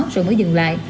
rồi mới dừng lại